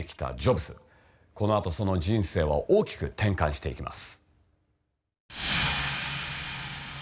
このあとその人生は大きく転換していきます。